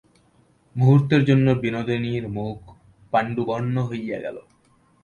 মুহূর্তের জন্য বিনোদিনীর মুখ পাণ্ডুবর্ণ হইয়া গেল।